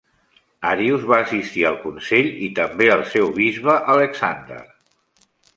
Arius va assistir al consell i també el seu bisbe, Alexander.